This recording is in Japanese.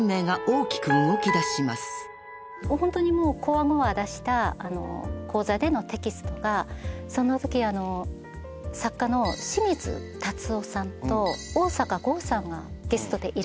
ホントにこわごわ出した講座でのテキストがそのとき作家の志水辰夫さんと逢坂剛さんがゲストでいらしたときで。